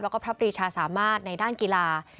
แล้วก็พระปรีชาสามารถในด้านกีฬา